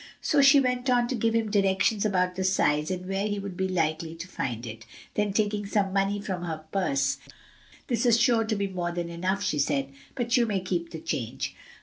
She went on to give him directions about the size and where he would be likely to find it; then taking some money from her purse, "This is sure to be more than enough," she said, "but you may keep the change."